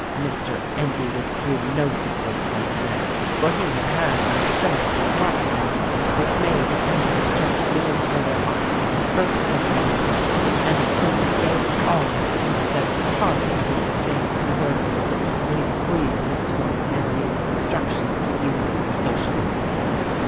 Mr. Endy with drew no support from the men ; for he had had the assur ance of Martinvale which made the end of the strike no further off than the first of March ; and he simply gave all instead of a part of his estate to the workers when he be queathed it to Robert Endy with instructions to use it for Socialism.